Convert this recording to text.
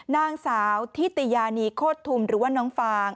นางสาวทิติยานีโคตรทุมหรือว่าน้องฟาง